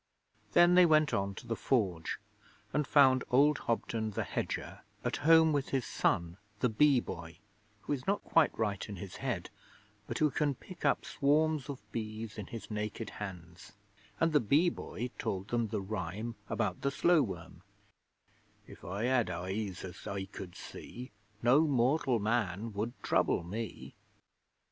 Then they went on to the Forge and found old Hobden the hedger at home with his son, the Bee Boy, who is not quite right in his head, but who can pick up swarms of bees in his naked hands; and the Bee Boy told them the rhyme about the slow worm: 'If I had eyes as I could see, No mortal man would trouble me.'